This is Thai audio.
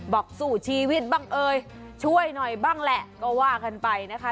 บอกสู้ชีวิตบ้างเอ่ยช่วยหน่อยบ้างแหละก็ว่ากันไปนะคะ